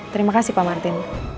terima kasih pak martin